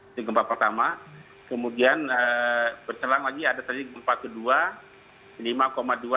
itu gempa pertama kemudian berselang lagi ada tadi gempa kedua